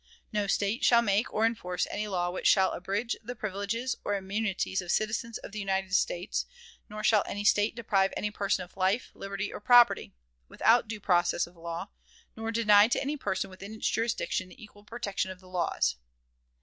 No State shall make or enforce any law which shall abridge the privileges or immunities of citizens of the United States; nor shall any State deprive any person of life, liberty, or property, without due process of law, nor deny to any person within its jurisdiction the equal protection of the laws.